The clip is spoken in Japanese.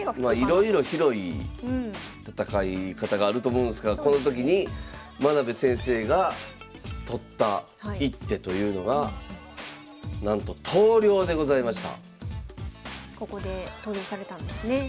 いろいろ広い戦い方があると思うんですがこの時に真部先生が取った一手というのがなんとここで投了されたんですね。